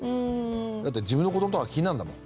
だって自分の子どものことが気になるんだもん。